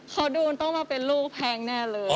เขาดูมันต้องมาเป็นลูกแพงแน่เลย